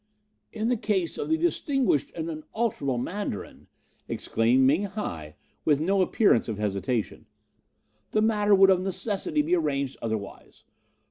"'In the case of the distinguished and unalterable Mandarin,' exclaimed Ming hi, with no appearance of hesitation, 'the matter would of necessity be arranged otherwise.